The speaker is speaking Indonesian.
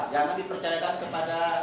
jangan dipercayakan kepada